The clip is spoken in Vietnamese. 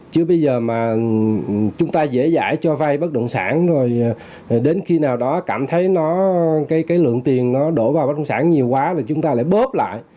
chứ bây giờ mà chúng ta dễ dãi cho vay bất động sản rồi đến khi nào đó cảm thấy nó cái lượng tiền nó đổ vào bất động sản nhiều quá là chúng ta lại bớt lại